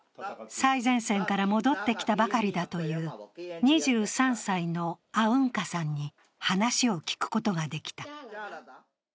最前線から戻ってきたばかりという２３歳のアウンカさんに話を聞くことができた。